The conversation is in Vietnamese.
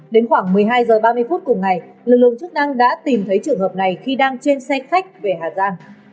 đến khoảng một mươi hai h ba mươi phút cùng ngày lực lượng chức năng đã tìm thấy trường hợp này khi đang trên xe khách về hà giang